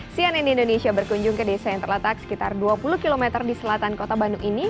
cnn indonesia berkunjung ke desa yang terletak sekitar dua puluh km di selatan kota bandung ini